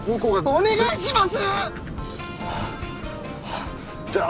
お願いします！